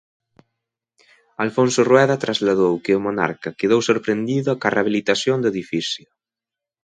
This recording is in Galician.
Alfonso Rueda trasladou que o monarca quedou sorprendido coa rehabilitación do edificio.